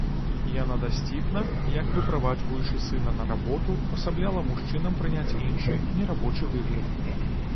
Яна дасціпна, як выправаджваючы сына на работу, пасабляла мужчынам прыняць іншы, не рабочы выгляд.